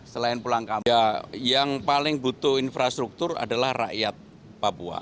selain pulang kampung yang paling butuh infrastruktur adalah rakyat papua